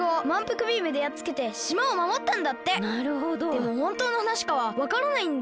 でもほんとうのはなしかはわからないんだ。